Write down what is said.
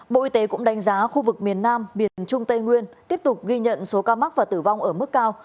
bộ y tế cũng đánh giá khu vực miền nam miền trung tây nguyên tiếp tục ghi nhận số ca mắc và tử vong ở mức cao